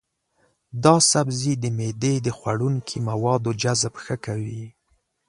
دا سبزی د معدې د خوړنکي موادو جذب ښه کوي.